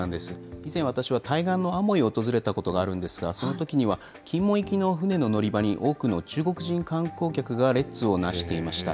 以前、私は対岸のアモイを訪れたことがあるんですが、そのときには金門行きの船の乗り場に多くの中国人観光客が列をなしていました。